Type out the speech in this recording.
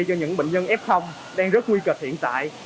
cho những bệnh nhân f đang rất nguy cơ hiện tại